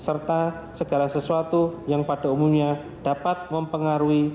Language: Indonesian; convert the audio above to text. serta segala sesuatu yang pada umumnya dapat mempengaruhi